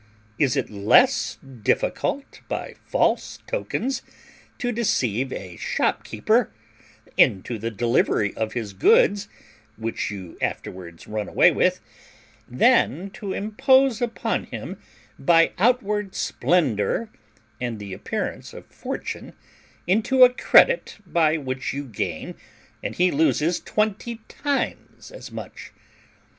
Is it less difficult by false tokens to deceive a shopkeeper into the delivery of his goods, which you afterwards run away with, than to impose upon him by outward splendour and the appearance of fortune into a credit by which you gain and he loses twenty times as much?